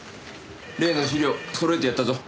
例の資料揃えてやったぞ。